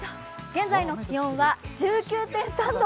現在の気温は１９．３度。